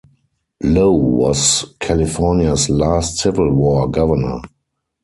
Low was California's last Civil War governor.